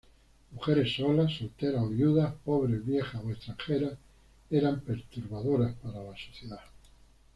Mujeres solas, solteras o viudas, pobres, viejas o extranjeras eran perturbadoras para la sociedad.